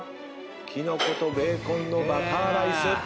キノコとベーコンのバターライス。